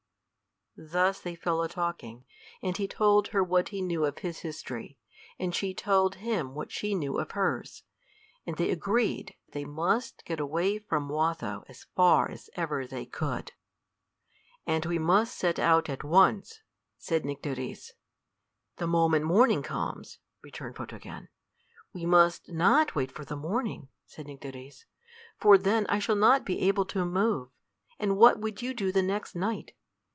Thus they fell a talking, and he told her what he knew of his history, and she told him what she knew of hers, and they agreed they must get away from Watho as far as ever they could. "And we must set out at once," said Nycteris. "The moment the morning comes," returned Photogen. "We must not wait for the morning," said Nycteris, "for then I shall not be able to move, and what would you do the next night?